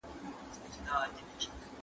پخوانۍ ولسواکي په بې رحمۍ سره له منځه لاړه.